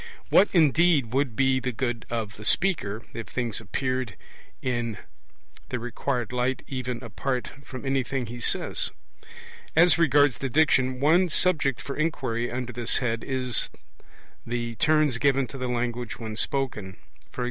What, indeed, would be the good of the speaker, if things appeared in the required light even apart from anything he says? As regards the Diction, one subject for inquiry under this head is the turns given to the language when spoken; e.g.